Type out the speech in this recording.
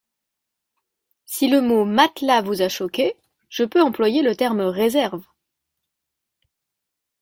Si le mot « matelas » vous a choqué, je peux employer le terme « réserves ».